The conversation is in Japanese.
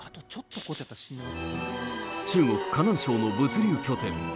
中国・河南省の物流拠点。